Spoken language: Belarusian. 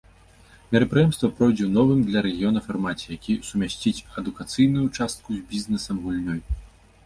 Мерапрыемства пройдзе ў новым для рэгіёна фармаце, які сумясціць адукацыйную частку з бізнесам-гульнёй.